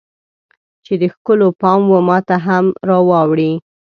چې د ښکلو پام و ماته هم راواوړي